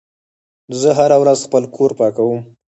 زه هره ورځ خپل کور پاکوم.